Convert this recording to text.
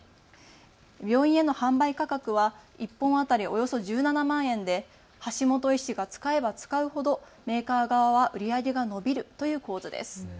病院への販売価格は１本当たりおよそ１７万円で橋本医師が使えば使うほどメーカー側は売り上げが伸びるという構図です。